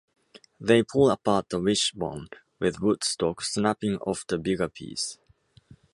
They pull apart the wishbone, with Woodstock snapping off the bigger piece.